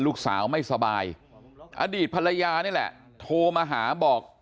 ลูกสาวไม่สบายอดีตภรรยานี่แหละโทรมาหาบอก